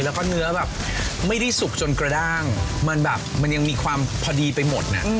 แล้วก็เนื้อแบบไม่ได้สุกจนกระด้างมันแบบมันยังมีความพอดีไปหมดน่ะ